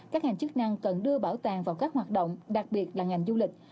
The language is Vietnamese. các ngành chức năng cần đưa bảo tàng vào các hoạt động đặc biệt là ngành du lịch